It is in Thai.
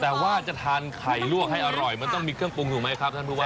แต่ว่าจะทานไข่ลวกให้อร่อยมันต้องมีเครื่องปรุงถูกไหมครับท่านผู้ว่า